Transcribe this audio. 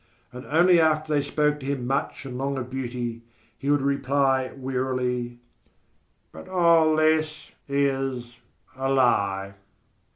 And only after they spoke to him much and long of beauty, he would reply wearily: "But all this is a lie."